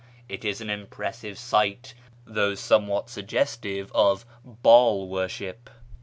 It is an impressive sight, though somewhat suggestive of Baal worship.